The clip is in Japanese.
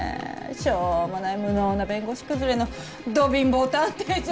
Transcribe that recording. しょうもない無能な弁護士崩れのど貧乏探偵じゃ。